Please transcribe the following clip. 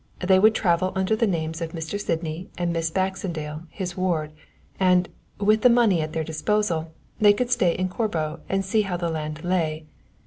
They would travel under the names of Mr. Sydney and Miss Baxendale, his ward, and, with the money at their disposal, could stay in Corbo and see how the land lay.